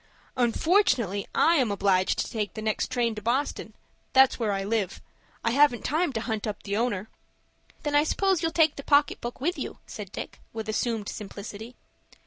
"Unfortunately I am obliged to take the next train to Boston. That's where I live. I haven't time to hunt up the owner." "Then I suppose you'll take the pocket book with you," said Dick, with assumed simplicity.